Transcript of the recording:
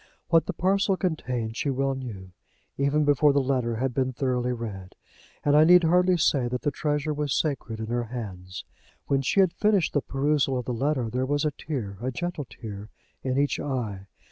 What the parcel contained she well knew, even before the letter had been thoroughly read; and I need hardly say that the treasure was sacred in her hands. When she had finished the perusal of the letter there was a tear, a gentle tear, in each eye.